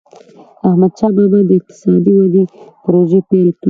احمدشاه بابا به د اقتصادي ودي پروژي پیل کړي.